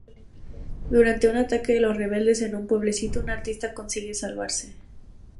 Durante un ataque de los rebeldes en un pueblecito, un artista consigue salvarse.